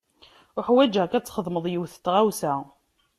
Uḥwaǧeɣ-k ad txedmeḍ yiwet n tɣawsa.